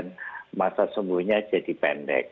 dan masa sembuhnya jadi pendek